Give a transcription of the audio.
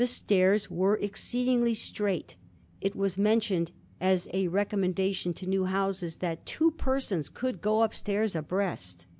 fitairs were exceedingly strait ; it was mentioned as a recommendation to new houses that two persons could go upstairs abreast.